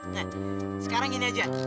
nah sekarang gini aja